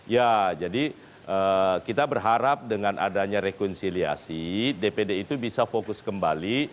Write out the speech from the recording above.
ya jadi kita berharap dengan adanya rekonsiliasi dpd itu bisa fokus kembali